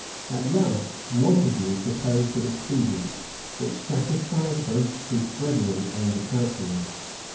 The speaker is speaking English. At last, Montague proposed an expedient, which satisfied both his brethren and the counsellors.